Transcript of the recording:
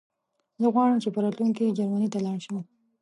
زه غواړم چې په راتلونکي کې جرمنی ته لاړ شم